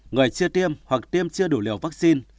người chưa tiêm hoặc tiêm chưa đủ liều vaccine